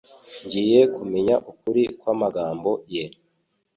Ngiye kumenya ukuri kw'amagambo ye.